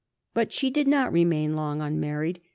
But she did not remain long unmarried.